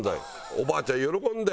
おばあちゃん喜んで。